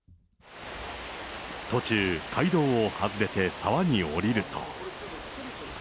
途中、街道を外れて沢に下りると。